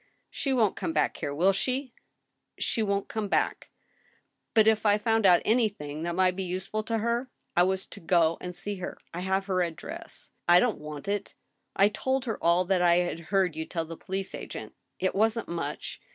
... She won't come back here — will she ?"" She won't come back ; but, if I found out anjrthing that might be useful to her, I was to go and see her. I have her address," " I don't want it." " I told her all that I had heard you tell the police agent. It wasn't much.